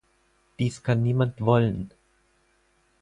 Dies kann niemand wollen.